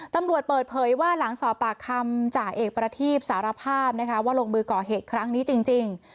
ตำรวจเปิดเผยว่าหลังสอบปากคำจ่าเอกประทีบสารภาพนะคะว่าลงมือก่อเหตุครั้งนี้จริง